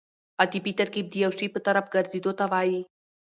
عطفي ترکیب د یو شي په طرف ګرځېدو ته وایي.